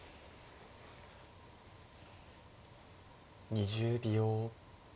２０秒。